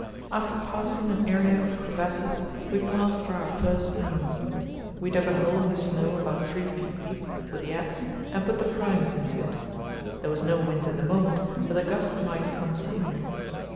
After passing an area of crevasses we paused for our first meal. We dug a hole in the snow about three feet deep with the adze and put the Primus into it. There was no wind at the moment, but a gust might come suddenly.